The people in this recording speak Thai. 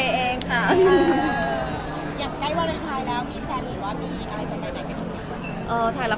อยากได้วารีลไทยแล้ว